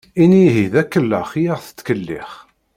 Ini ihi d akellex i aɣ-tettkellix.